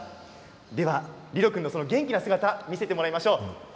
では、リロ君のその元気な姿見せてもらいましょう。